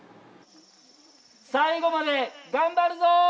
最後まで頑張るぞ！